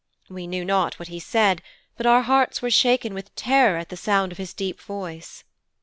We knew not what he said, but our hearts were shaken with terror at the sound of his deep voice.'